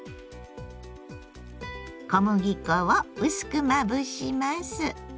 小麦粉を薄くまぶします。